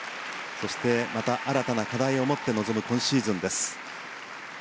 そして、また新たな課題を持って臨む、今シーズンです。